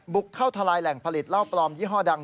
เข้าทลายแหล่งผลิตเหล้าปลอมยี่ห้อดัง